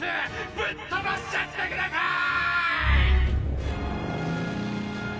ぶっ飛ばしちゃってください！！